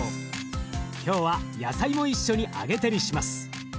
今日は野菜も一緒に揚げ照りします。